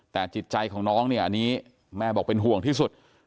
แต่จิตใจของน้องเนี่ยอันนี้แม่บอกเป็นห่วงที่สุด